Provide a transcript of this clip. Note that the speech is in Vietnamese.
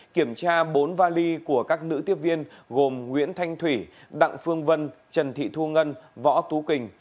kiểm tra bốn vali của các nữ tiếp viên gồm nguyễn thanh thủy đặng phương vân trần thị thu ngân võ tú quỳnh